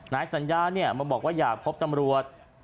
นายสัญญามาบอกว่าอยากพบตำรวจ